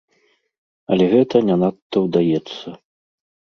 Але гэта не надта ўдаецца.